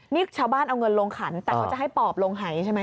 นี่ชาวบ้านเอาเงินลงขันแต่เขาจะให้ปอบลงหายใช่ไหม